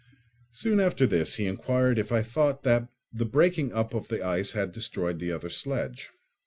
Soon after this he inquired if I thought that the breaking up of the ice had destroyed the other sledge.